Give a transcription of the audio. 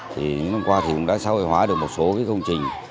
thì năm qua thì cũng đã xã hội hóa được một số cái công trình